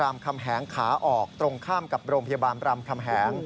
คำแหงขาออกตรงข้ามกับโรงพยาบาลรามคำแหง